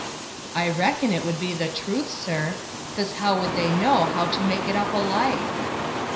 ." I reckon it would be the truth, sir ; cause how would they .know how to make it up alike